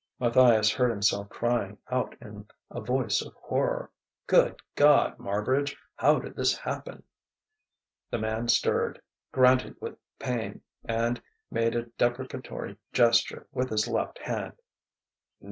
Matthias heard himself crying out in a voice of horror: "Good God, Marbridge! How did this happen?" The man stirred, granted with pain, and made a deprecatory gesture with his left hand.